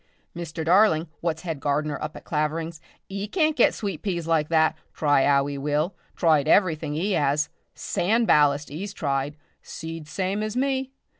"Mr. Darling what's head gardener up at Claverings, 'e can't get sweet peas like that, try 'ow 'e will. Tried everything 'e 'as. Sand ballast, 'e's tried. Seeds same as me.